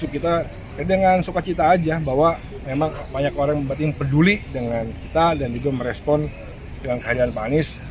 kita dengan suka cita aja bahwa memang banyak orang yang peduli dengan kita dan juga merespon dengan kehadiran panis